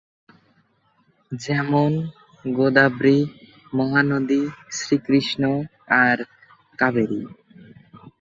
যেমন গোদাবরী, মহানদী, শ্রীকৃষ্ণ, আর কাবেরী।